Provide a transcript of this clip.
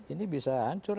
ini bisa hancur